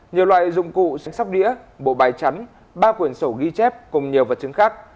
nhiều loại dụng cụ sẽ sắp đĩa bộ bài chắn ba quyển sổ ghi chép cùng nhiều vật chứng khác